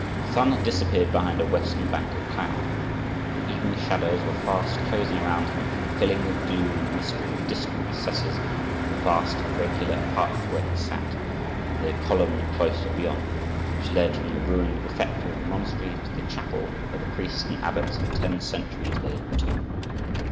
The sun had disappeared behind a western bank of cloud. The evening shadows were fast closing around him, filling with gloom and mystery the distant recesses of the vast, irregular apartment where he sat, and the columned cloister beyond, which led from the ruined refectory of the monastery to the chapel where the priests and abbots of ten centuries lay entombed.